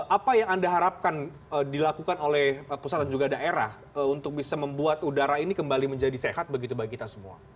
apa yang anda harapkan dilakukan oleh pusat dan juga daerah untuk bisa membuat udara ini kembali menjadi sehat begitu bagi kita semua